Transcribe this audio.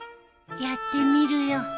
やってみるよ。